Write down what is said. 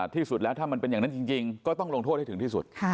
ที่สุดแล้วถ้ามันเป็นอย่างนั้นจริงก็ต้องลงโทษให้ถึงที่สุด